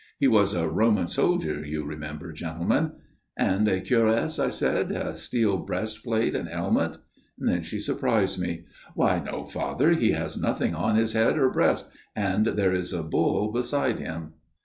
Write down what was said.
He was a Roman soldier, you remember, gentlemen ?" c And a cuirass ?' I said. ' A steel breast plate and helmet ?'" Then she surprised me. "' Why, no, Father, he has nothing on his head or breast, and there is a bull beside him!'